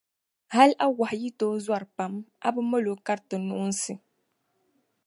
Hal a wɔhu yi tooi zɔri pam, a bi mal’ o kariti noonsi.